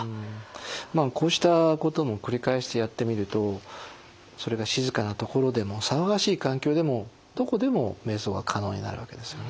こうしたことも繰り返してやってみるとそれが静かな所でも騒がしい環境でもどこでもめい想が可能になるわけですよね。